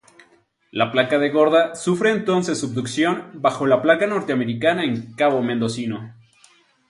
La Placa de Gorda sufre entonces subducción bajo la placa norteamericana en Cabo Mendocino.